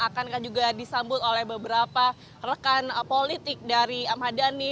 akan juga disambut oleh beberapa rekan politik dari ahmad dhani